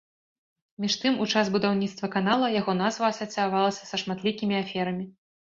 Між тым у час будаўніцтва канала яго назва асацыявалася са шматлікімі аферамі.